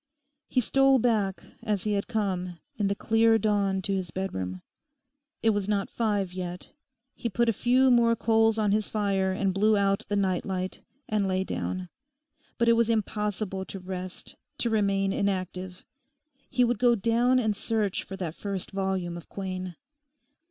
He stole back, as he had come, in the clear dawn to his bedroom. It was not five yet. He put a few more coals on his fire and blew out the night light, and lay down. But it was impossible to rest, to remain inactive. He would go down and search for that first volume of Quain.